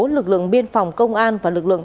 lực lượng biên phòng công an và lực lượng